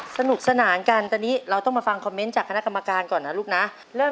ถ้าเพลินไปกอดแล้วฉันจะว่ายังไง